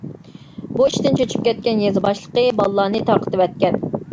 بۇ ئىشتىن چۆچۈپ كەتكەن يېزا باشلىقى بالىلارنى تارقىتىۋەتكەن.